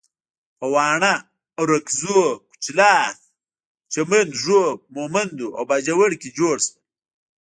په واڼه، ارکزو، کچلاک، چمن، ږوب، مومندو او باجوړ کې جوړ شول.